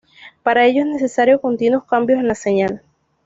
Para ello es necesario continuos cambios en la señal.